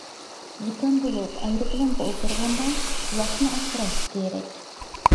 زۇكام بولۇپ ئايروپىلانغا ئولتۇرغاندا قۇلاقنى ئاسراش كېرەك.